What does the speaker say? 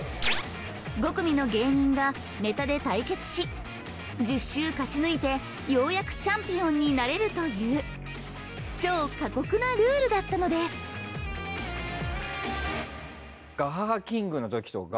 ５組の芸人がネタで対決し１０週勝ち抜いてようやくチャンピオンになれるという超過酷なルールだったのです「ＧＡＨＡＨＡキング」のときとか。